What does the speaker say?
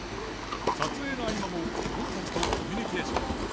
撮影の合間も子供たちとコミュニケーション。